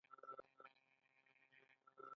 سیلابونه په پسرلي کې راځي